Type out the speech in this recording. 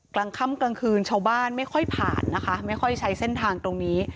กลางค่ำกลางคืนชาวบ้านไม่ค่อยผ่านนะคะไม่ค่อยใช้เส้นทางตรงนี้